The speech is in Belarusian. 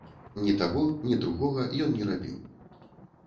Ні таго, ні другога ён не рабіў!